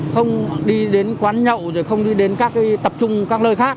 không đi đến quán nhậu rồi không đi đến các tập trung các nơi khác